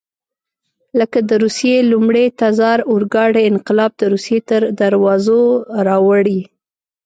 لکه د روسیې لومړي تزار اورګاډی انقلاب د روسیې تر دروازو راوړي.